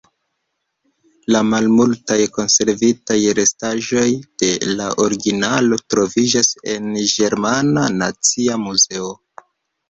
La malmultaj konservitaj restaĵoj de la originalo troviĝas en la Ĝermana Nacia Muzeo.